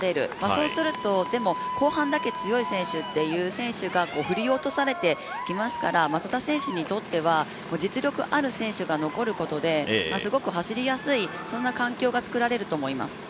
そうすると後半だけ強い選手という選手が振り落とされてきますから松田選手にとっては実力ある選手が残ることですごく走りやすい、そんな環境がつくられるとおもいます。